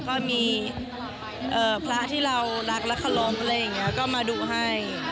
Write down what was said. ก็มีพระที่เรารักและเคารพอะไรอย่างนี้ก็มาดูให้